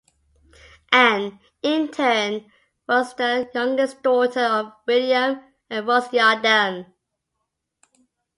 Anne, in turn, was the youngest daughter of William and Rose Yalden.